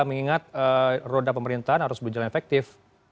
mengingat roda pemerintahan harus berjalan efektif